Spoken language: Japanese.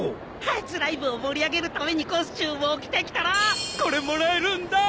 初ライブを盛り上げるためにコスチュームを着てきたらこれもらえるんだ！